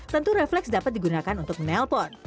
tentu refleks dapat digunakan untuk menelpon